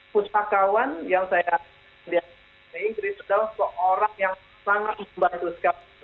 pusakawan yang saya lihat di inggris adalah seorang yang sangat membantu sekali